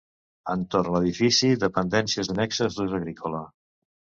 Entorn l'edifici, dependències annexes d'ús agrícola.